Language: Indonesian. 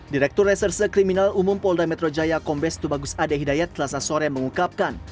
direktur reserse kriminal umum polda metro jaya kombes tubagus ade hidayat selasa sore mengungkapkan